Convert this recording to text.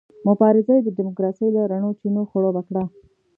مبارزه یې د ډیموکراسۍ له رڼو چینو خړوبه کړه.